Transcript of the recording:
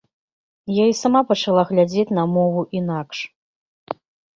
Я і сама пачала глядзець на мову інакш.